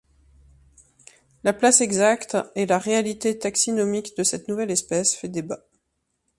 La place exacte et la réalité taxinomique de cette nouvelle espèce fait débat.